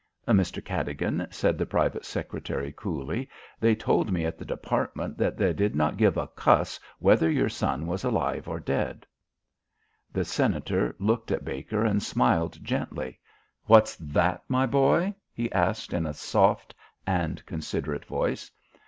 "Mr. Cadogan," said the private secretary coolly, "they told me at the Department that they did not give a cuss whether your son was alive or dead." The Senator looked at Baker and smiled gently. "What's that, my boy?" he asked in a soft and considerate voice.